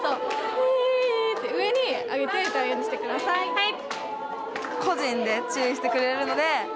はい！